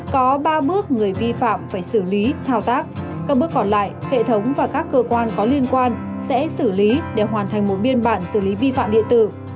có ba bước người vi phạm phải xử lý thao tác các bước còn lại hệ thống và các cơ quan có liên quan sẽ xử lý để hoàn thành một biên bản xử lý vi phạm điện tử